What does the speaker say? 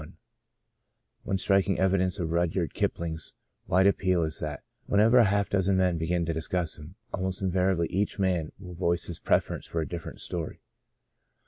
ONE striking evidence of Rudyard Kipling's wide appeal is that, when ever half a dozen men begin to dis cuss him, almost invariably each man will voice his preference for a different story.